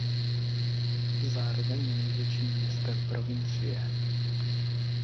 Zároveň je největším městem provincie.